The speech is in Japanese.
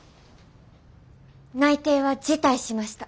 内定は辞退しました。